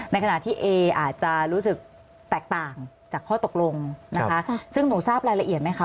ในขณะที่เออาจจะรู้สึกแตกต่างจากข้อตกลงนะคะซึ่งหนูทราบรายละเอียดไหมคะ